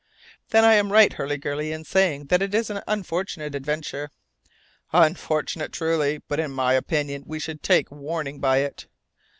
"Then I am right, Hurliguerly, in saying it is an unfortunate adventure." "Unfortunate, truly, but in my opinion we should take warning by it."